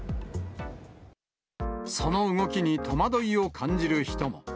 その動きに、戸惑いを感じる人も。